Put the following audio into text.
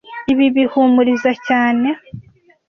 Ibi bihumuriza cyane.